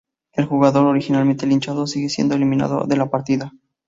El jugador originalmente linchado sigue siendo eliminado de la partida.